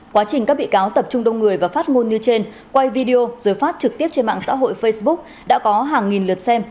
quá trình các bị cáo tập trung đông người và phát ngôn như trên quay video rồi phát trực tiếp trên mạng xã hội facebook đã có hàng nghìn lượt xem